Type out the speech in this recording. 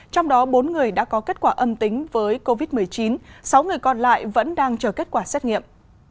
trong đó bốn người đã có kết quả âm tính với covid một mươi chín sáu người còn lại vẫn đang chờ kết quả xét nghiệm